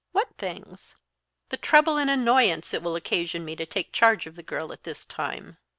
"What things?" "The trouble and annoyance it will occasion me to take charge of the girl at this time."